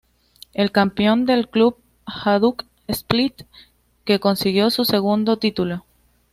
El campeón fue el club Hajduk Split que consiguió su segundo título.